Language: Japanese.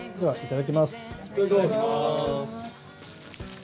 はい。